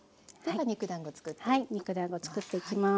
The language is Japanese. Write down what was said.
はい肉だんごつくっていきます。